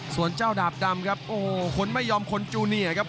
ส่วนเจ้าดาบดำครับโอ้โหคนไม่ยอมคนจูเนียครับ